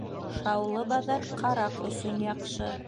Шаулы баҙар ҡараҡ өсөн яҡшы.